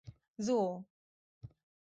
Zool.